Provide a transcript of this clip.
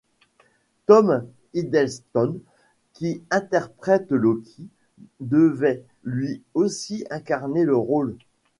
Tom Hiddleston qui interprète Loki, devait lui aussi incarner le rôle.